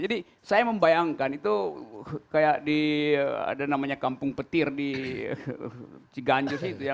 jadi saya membayangkan itu kayak di ada namanya kampung petir di ciganjo